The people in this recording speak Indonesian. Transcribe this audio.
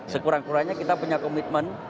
sekurang kurangnya kita punya komitmen